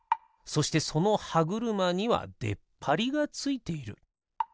そしてそのはぐるまにはでっぱりがついている。